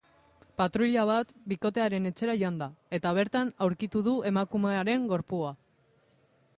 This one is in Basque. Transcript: Patruila bat bikotearen etxera joan da, eta bertan aurkitu du emakumearen gorpua.